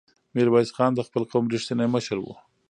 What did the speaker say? میرویس خان د خپل قوم رښتینی مشر و.